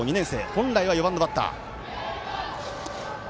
本来は４番のバッター。